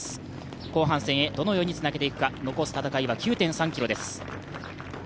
後半戦へ、どのようにつなげていくか、残す戦いは９．３ｋｍです。